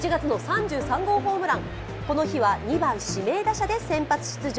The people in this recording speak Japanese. この日は２番・指名打者で先発出場。